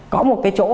có một cái chỗ